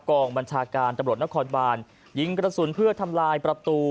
กองบัญชาการตำรวจนครบานยิงกระสุนเพื่อทำลายประตู